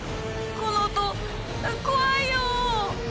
この音怖いよ！